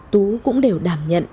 tú cũng đều đảm nhận